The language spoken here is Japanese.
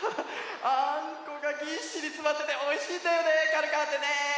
あんこがぎっしりつまってておいしいんだよねかるかんってね！